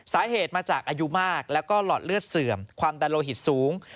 สาเหตุมาจากอายุมากแล้วก็หลอดเลือดเสื่อมความดันโลหิตสูง